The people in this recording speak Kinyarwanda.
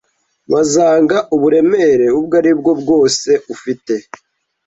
Bazanga uburemere ubwo aribwo bwose ufite